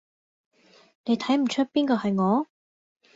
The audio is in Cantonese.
你睇唔岀邊個係我？